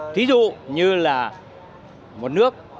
thí dụ như là một nước